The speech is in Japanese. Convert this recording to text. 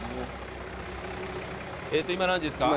今何時ですか？